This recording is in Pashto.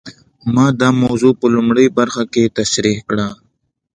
ما دا موضوع په لومړۍ برخه کې تشرېح کړه.